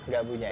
tidak punya ya